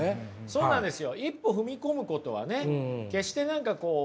そうなんですよ。